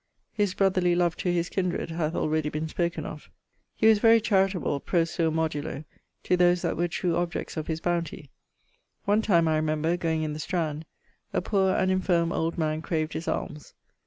_ His brotherly love to his kinred hath already been spoken of. He was very charitable (pro suo modulo) to those that were true objects of his bounty. One time, I remember, goeing in the Strand, a poor and infirme old man craved his almes.